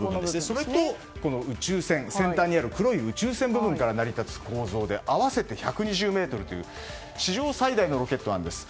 それと、宇宙船先端にある黒い宇宙船部分から成り立つ構造で合わせて１２０ｍという史上最大のロケットなんです。